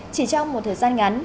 chỉ trong một thời gian ngắn